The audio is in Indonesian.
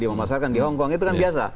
memasarkan di hongkong itu kan biasa